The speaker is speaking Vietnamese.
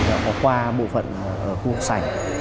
thì nó qua bộ phận hốc tảnh